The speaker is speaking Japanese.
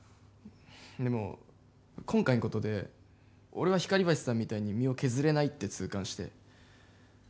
でも、今回んことで俺は光橋さんみたいに身を削れないって痛感して。